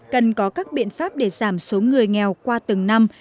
cần có các biện pháp để giảm số người nghèo qua từng năm